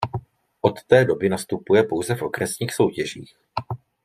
Od této doby nastupuje pouze v okresních soutěžích.